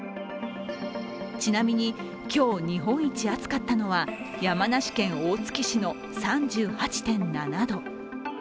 ちなみに今日、日本一暑かったのは山梨県大月市の３８．７度。